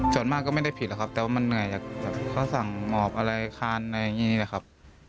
ต่อยก็หนึ่งครั้งครับ